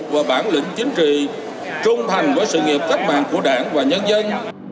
và bản lĩnh chính trị trung thành với sự nghiệp cách mạng của đảng và nhân dân